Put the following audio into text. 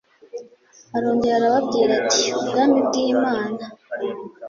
arongera arababwira ati ubwami bw imana